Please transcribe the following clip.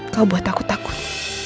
kau buat aku takut